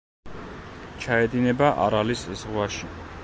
ჩაედინება არალის ზღვაში.